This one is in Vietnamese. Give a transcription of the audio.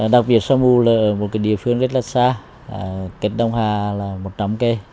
đặc biệt sa mù là một địa phương rất là xa kết đông hà là một trăm linh cây